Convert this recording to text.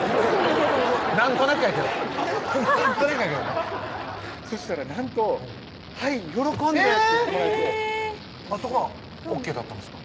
なんとなくやけどなんとなくやけどそしたらなんと「はい喜んで」って言ってもらえてそこはＯＫだったんですか？